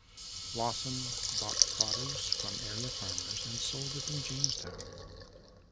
Lawson bought produce from area farmers and sold it in Jamestown.